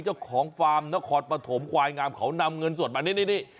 เจ้าของฟาร์มนครปฐมควายงามเขานำเงินสดมานี่